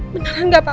beneran nggak apa apa